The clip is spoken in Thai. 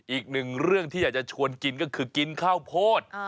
อีกหนึ่งเรื่องที่อยากจะชวนกินก็คือกินข้าวโพด